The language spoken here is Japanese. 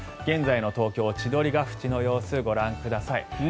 現在の東京・千鳥ヶ淵の様子をご覧ください。